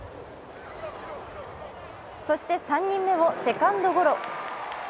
そして３人目をセカンドゴロ。